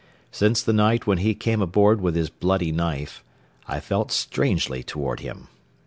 Since the night when he came aboard with his bloody knife, I felt strangely toward him.